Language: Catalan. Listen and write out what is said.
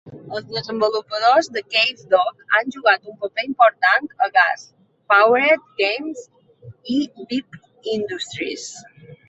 Els desenvolupadors de Cavedog han jugat un paper important a Gas Powered Games i Beep Industries.